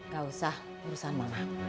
gak usah urusan mama